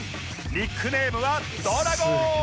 ニックネームはドラゴン